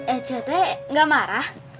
ece teh nggak marah